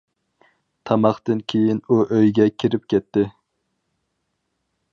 تاماقتىن كىيىن ئۇ ئۆيگە كىرىپ كەتتى.